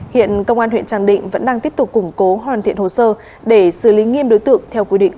hiện công an huyện tràng định vẫn đang tiếp tục củng cố hoàn thiện hồ sơ để xử lý nghiêm đối tượng theo quy định